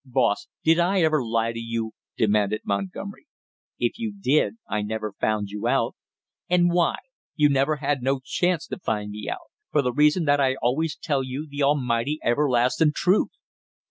"Boss, did I ever lie to you?" demanded Montgomery. "If you did I never found you out." "And why? You never had no chance to find me out; for the reason that I always tell you the almighty everlastin' truth!"